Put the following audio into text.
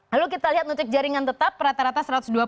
lalu kita lihat nutrik jaringan tetap rata rata satu ratus dua puluh